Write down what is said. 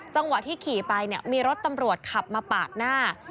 จังหวะที่ขี่ไปเนี่ยมีรถตำรวจขับมาปาดหน้า